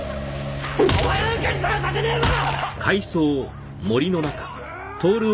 お前なんかに邪魔させねえぞ！